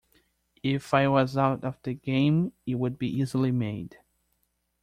If I was out of the game it would be easily made.